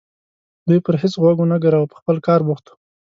دوی پرې هېڅ غوږ ونه ګراوه په خپل کار بوخت وو.